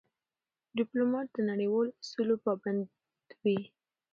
ډيپلومات د نړیوالو اصولو پابند وي.